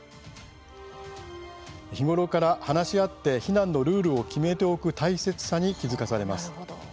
日頃から話し合って避難のルールを決めておく大切さに気付かされます。